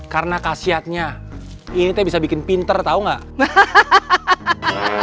karena kasihatnya ini bisa bikin pinter tahu nggak